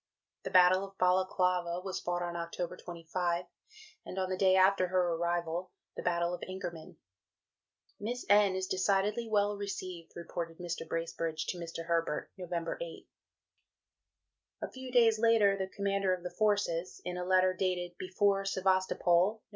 The Battle of Balaclava was fought on October 25; and on the day after her arrival, the Battle of Inkerman. "Miss N. is decidedly well received," reported Mr. Bracebridge to Mr. Herbert (Nov. 8). A few days later, the Commander of the Forces, in a letter dated "Before Sevastopol, Nov.